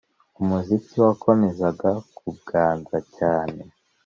umuziki wakomezaga kuganza cyane